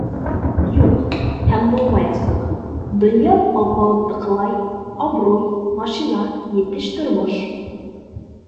Юҡ. һәм булмаясаҡ: донъя - алпауыттыҡылай, абруй, машина, етеш тормош.